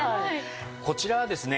こちらはですね